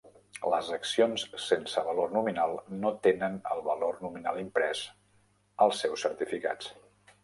Les accions sense valor nominal no tenen el valor nominal imprès als seus certificats.